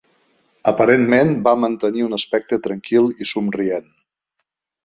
Aparentment, va mantenir un aspecte tranquil i somrient.